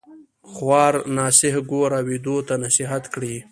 خوار ناصح ګوره ويدو تـــه نصيحت کړي